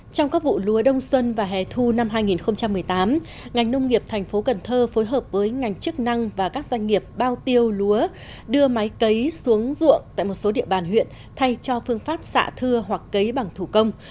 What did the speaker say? trong các vụ lúa đông xuân và hè thu năm hai nghìn một mươi tám ngành nông nghiệp thành phố cần thơ phối hợp với ngành chức năng và các doanh nghiệp bao tiêu lúa đưa máy cấy xuống ruộng tại một số địa bàn huyện thay cho phương pháp xạ thưa hoặc cấy bằng thủ công